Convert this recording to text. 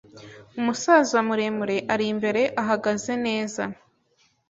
Umusaza muremure ari imbere ahagaze neza